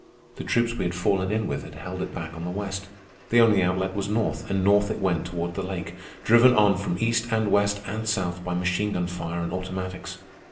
The troops we had fallen in with had held it back on the west. The only outlet was north, and north it went toward the lake, driven on from east and west and south by machine gun fire and automatics.